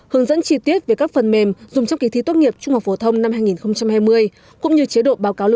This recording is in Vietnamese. hướng dẫn chi tiết về các phần mềm dùng trong kỳ thi tốt nghiệp trung học phổ thông năm hai nghìn hai mươi cũng như chế độ báo cáo lựa chọn